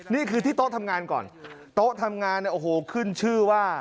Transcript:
นี่คือที่โต๊ะทำงานก่อนโต๊ะทำงานเนี่ยโอ้โหขึ้นชื่อว่า